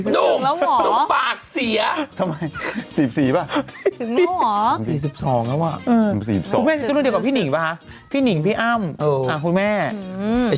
นุ่งนุ่งปากเสียทำไมสีบสีป่ะคุณแม่ต้องเดียวกับพี่หนิ่งป่ะพี่อ้ำคุณแม่อืม